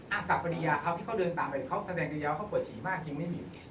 อ่าสักปริยาที่เขาเดินตามไปเขาแสดงเดียวเขาปวดฉีกมากจริงไม่มี